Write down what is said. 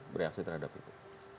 bereaksi terhadap itu